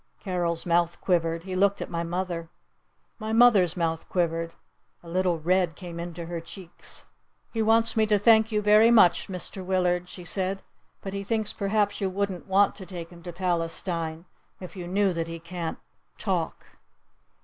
Carol's mouth quivered. He looked at my mother. My mother's mouth quivered. A little red came into her checks. "He wants me to thank you very much, Mr. Willard," she said. "But he thinks perhaps you wouldn't want to take him to Palestine if you knew that he can't talk."